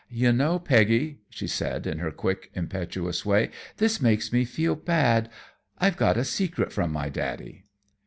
"You know, Peggy," she said in her quick, impetuous way, "this makes me feel bad. I've got a secret from my daddy."